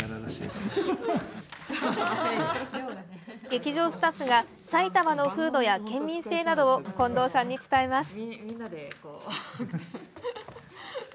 劇場スタッフが埼玉の風土や県民性などを近藤さんに伝えます。